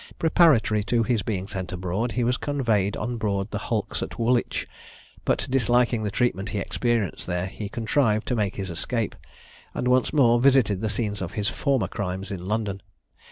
Preparatory to his being sent abroad, he was conveyed on board the hulks at Woolwich; but disliking the treatment he experienced there, he contrived to make his escape, and once more visited the scenes of his former crimes in London.